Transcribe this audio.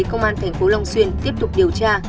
công an tp long xuyên tiếp tục điều tra